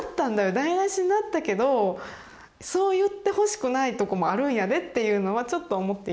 台なしになったけどそう言ってほしくないとこもあるんやで」っていうのはちょっと思っていて。